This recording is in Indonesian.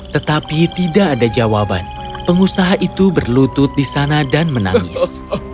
tetapi tidak ada jawaban pengusaha itu berlutut di sana dan menangis